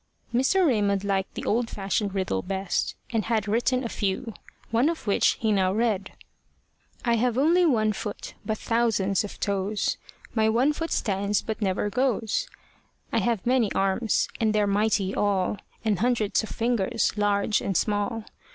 Mr. Raymond liked the old fashioned riddle best, and had written a few one of which he now read. I have only one foot, but thousands of toes; My one foot stands, but never goes. I have many arms, and they're mighty all; And hundreds of fingers, large and small.